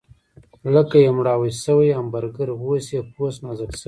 لکه یو مړاوی شوی همبرګر، اوس یې پوست نازک شوی و.